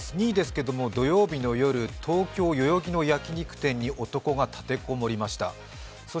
２位、土曜日の夜、東京・代々木の焼き肉店に男が立て籠もりました。